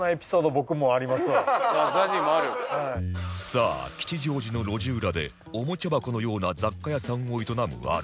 さあ吉祥寺の路地裏でおもちゃ箱のような雑貨屋さんを営む主